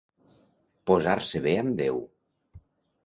Posar-se bé amb Déu.